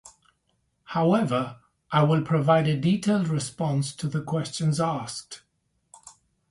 However, I will provide a detailed response to the questions asked.